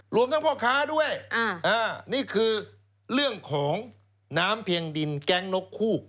รวมทั้งพ่อค้าด้วยนี่คือเรื่องของน้ำเพียงดินแก๊งนกฮูก